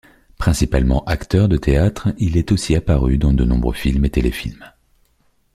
Principalement acteur de théâtre, il est aussi apparu dans de nombreux films et téléfilms.